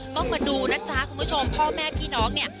ต้องมาดูนะจ๊ะคุณผู้ชมพ่อแม่พี่น้องเนี่ย